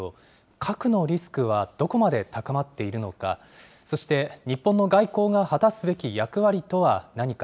核のリスクはどこまで高まっているのか、そして、日本の外交が果たすべき役割とは何か。